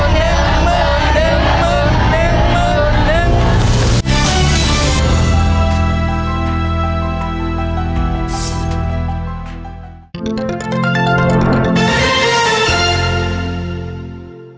สวัสดีครับ